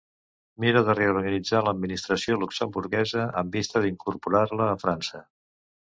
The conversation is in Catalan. Mirà de reorganitzar l'administració luxemburguesa en vista d'incorporar-la a França.